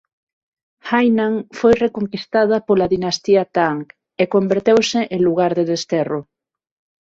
Hainan foi reconquistada pola dinastía Tang e converteuse en lugar de desterro.